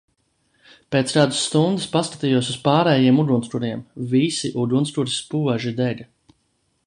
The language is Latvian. Pēc kādas stundas paskatījos uz pārējiem ugunskuriem, visi ugunskuri spoži dega.